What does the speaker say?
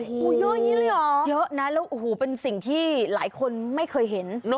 โอ้โหเยอะอย่างนี้เลยเหรอเยอะนะแล้วโอ้โหเป็นสิ่งที่หลายคนไม่เคยเห็น